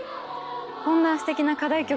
こんなすてきな課題曲